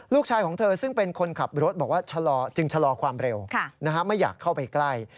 ลูกชายของเธอซึ่งเป็นคนขับรถบอกว่าจึงชะลอความเร็วไม่อยากเข้าไปใกล้